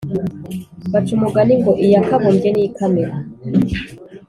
Baca umugani ngo iya kabumbye niyo ikamena